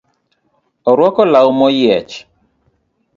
Orwako law moyiech